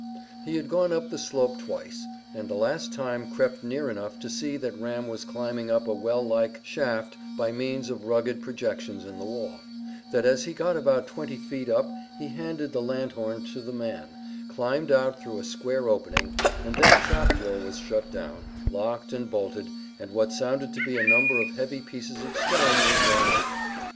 He had gone up the slope twice, and the last time crept near enough to see that Ram was climbing up a well like shaft by means of rugged projections in the wall, that as he got about twenty feet up he handed the lanthorn to the man, climbed out through a square opening, and then a trap door was shut down, locked, and bolted, and what sounded to be a number of heavy pieces of stone were drawn over.